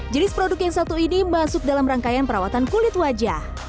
jenis produk yang satu ini masuk dalam rangkaian perawatan kulit wajah